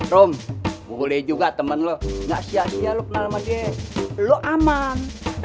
rom boleh juga temen lo gak sia sia lo kenal sama dia lo aman